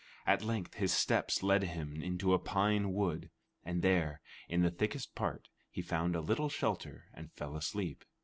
At length his steps led him into a pine wood, and there in the thickest part he found a little shelter, and fell asleep.